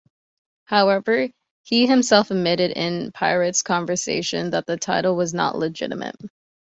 However, he himself admitted in private conversations that the title was not legitimate.